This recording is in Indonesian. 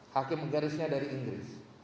hakim garisnya dari inggris